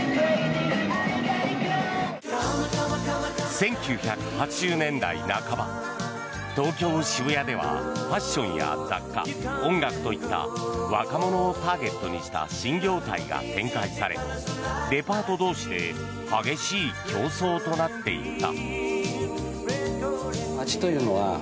１９８０年代半ば東京・渋谷ではファッションや雑貨音楽といった若者をターゲットにした新業態が展開されデパート同士で激しい競争となっていった。